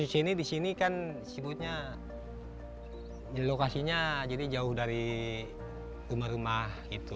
ya disini kan sebutnya lokasinya jadi jauh dari rumah rumah